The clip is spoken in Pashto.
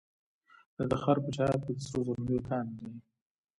د تخار په چاه اب کې د سرو زرو لوی کان دی.